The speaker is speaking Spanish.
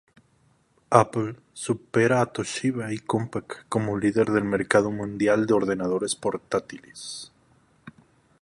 Apple supera a Toshiba y Compaq como líder del mercado mundial de ordenadores portátiles.